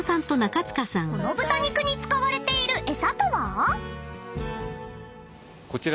［この豚肉に使われている餌とは？］